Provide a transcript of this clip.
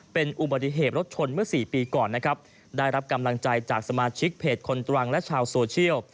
เป็นอุบัติเหตุรถชนเมื่อสี่ปีก่อนนะครับได้รับกำลังใจจากสมาชิกเพจคนตรังและชาวโซเชียล